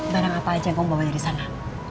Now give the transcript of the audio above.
barang apa aja yang bong bawa dari sana